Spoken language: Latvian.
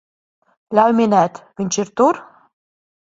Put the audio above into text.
Ļauj minēt, viņš ir tur?